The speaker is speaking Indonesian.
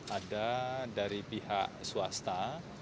ada dari pihak swasta